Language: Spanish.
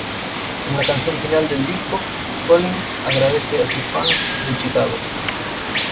En la canción final del disco, Collins agradece a sus fans de Chicago.